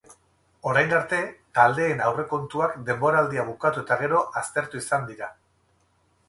Orain arte taldeen aurrekontuak denboraldia bukatu eta gero aztertu izan dira.